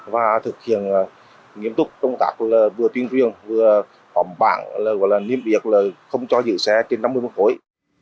và thực hiện nghiêm túc trong các vừa tuyên truyền vừa bảng niêm biệt là không cho giữ xe trên năm mươi phân khối